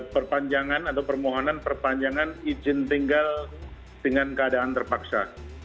perpanjangan atau permohonan perpanjangan izin tinggal dengan keadaan terpaksa